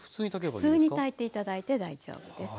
普通に炊いて頂いて大丈夫です。